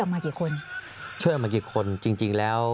สามารถรู้ได้เลยเหรอคะ